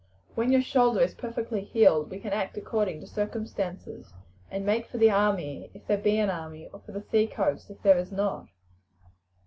When your shoulder is perfectly healed we can act according to circumstances, and make for the army if there be an army, or for the seacoast if there is not."